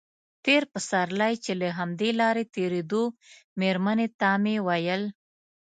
تېر پسرلی چې له همدې لارې تېرېدو مېرمنې ته مې ویل.